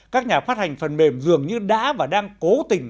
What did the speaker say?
các nhà phát hành phần mềm dường như đã và đang cố tình